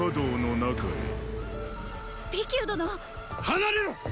離れろ！